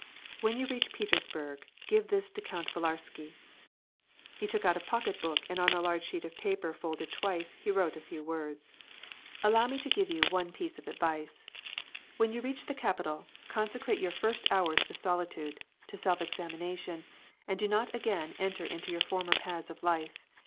When you reach Petersburg, give this to Count Villarsky." He took out a pocket book, and on a large sheet of paper, folded twice, he wrote a few words. i WAR AND PEACE. 75 '•Allow me to give you one piece of advice. When you reach the capital, consecrate your first hours to solitude, to self examination, and do not again enter into your former paths of life.